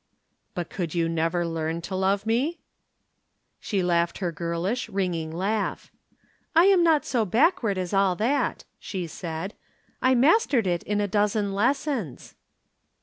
"But could you never learn to love me?" She laughed her girlish, ringing laugh. "I am not so backward as all that," she said. "I mastered it in a dozen lessons."